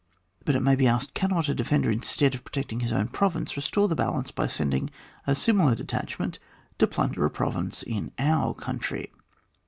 But it may be asked cannot a defender, instead of protecting his own province, restore the balance by sending a similar detachment to plunder a pro vince in our country?